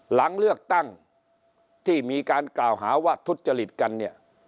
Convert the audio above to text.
หลังเลือกตั้งที่มีการกล่าวหาว่าทุจริตกันเนี่ย